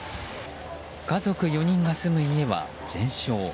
家族４人が住む家は全焼。